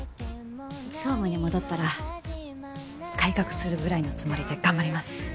総務に戻ったら改革するぐらいのつもりで頑張ります！